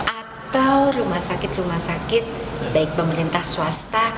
atau rumah sakit rumah sakit baik pemerintah swasta